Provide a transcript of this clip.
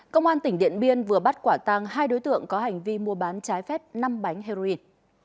công an tỉnh điện biên vừa bắt quả tăng hai đối tượng có hành vi mua bán trái phép năm bánh heroin